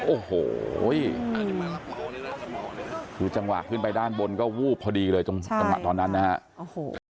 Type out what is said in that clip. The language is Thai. โอ้โหคือจังหวะขึ้นไปด้านบนก็วูบพอดีเลยตรงจังหวะตอนนั้นนะฮะโอ้โห